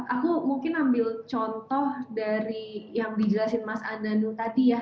aku mungkin ambil contoh dari yang dijelasin mas andanu tadi ya